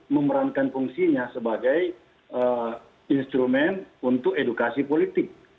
memerankan fungsinya sebagai instrumen untuk edukasi politik